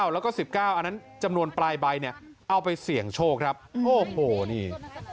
๙แล้วก็๑๙อันนั้นจำนวนปลายใบนี่